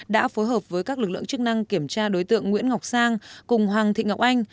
đã phối hợp với các lực lượng chức năng kiểm tra đối tượng nguyễn ngọc sang cùng hoàng thị ngọc anh